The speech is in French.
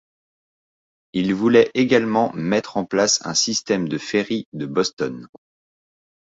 Ils voulaient également mettre en place un système de ferry de Boston.